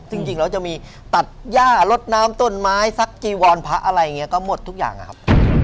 จริงแล้วจะมีตัดย่าลดน้ำต้นไม้ซักจีวรพระอะไรอย่างนี้ก็หมดทุกอย่างนะครับ